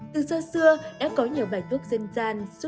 từ sơ xưa đã có nhiều bài thuốc dân gian